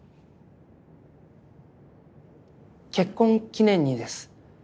結婚記念にです。